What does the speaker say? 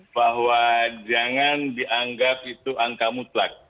bahwa jangan dianggap itu angka mutlak